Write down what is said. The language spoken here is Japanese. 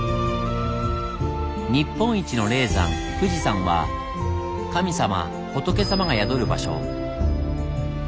日本一の霊山富士山は神様・仏様が宿る場所。